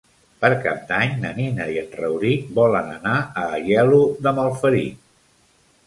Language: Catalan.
Per Cap d'Any na Nina i en Rauric volen anar a Aielo de Malferit.